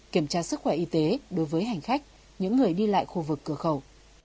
kiểm tra sức khỏe y tế đối với hành khách những người đi lại khu vực cửa khẩu